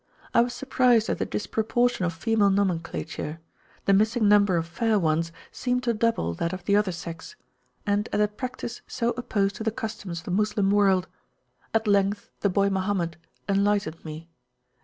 I was surprised at the disproportion of female nomenclaturethe missing number of fair ones seemed to double that of the other sexand at a practice so opposed to the customs of the Moslem world. At length the boy Mohammed enlightened me.